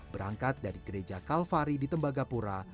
berangkat dari gereja kalvari di tembagapura